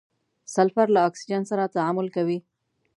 سلفر له اکسیجن سره تعامل کوي.